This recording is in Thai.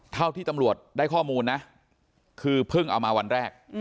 เท่าที่ตำรวจได้ข้อมูลนะคือเพิ่งเอามาวันแรก